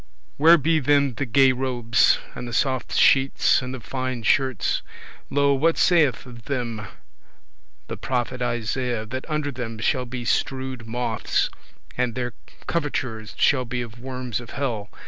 Where be then the gay robes, and the soft sheets, and the fine shirts? Lo, what saith of them the prophet Isaiah, that under them shall be strewed moths, and their covertures shall be of worms of hell.